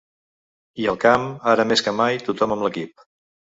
I al camp, ara més que mai tothom amb l’equip.